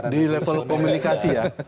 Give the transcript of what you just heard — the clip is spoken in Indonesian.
di level komunikasi ya